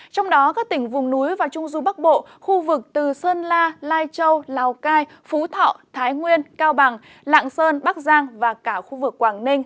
trong đó các tỉnh vùng núi và trung du bắc bộ khu vực từ sơn la lai châu lào cai phú thọ thái nguyên cao bằng lạng sơn bắc giang và cả khu vực quảng ninh